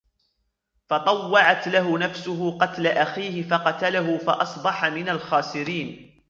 فطوعت له نفسه قتل أخيه فقتله فأصبح من الخاسرين